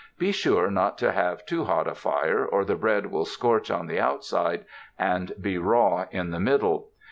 Be sure not to have too hot a fire, or the bread will scorch on the outside and be raw in the middle.